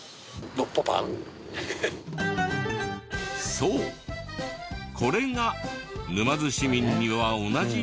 そうこれが沼津市民にはおなじみの。